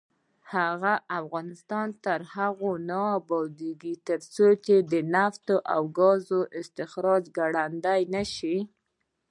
افغانستان تر هغو نه ابادیږي، ترڅو د نفتو او ګازو استخراج ګړندی نشي.